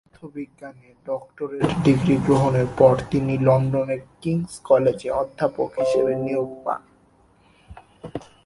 পদার্থ বিজ্ঞানে doctorate degree গ্রহণের পর তিনি লন্ডনের কিংস কলেজে অধ্যাপক হিসাবে নিয়োগ পান।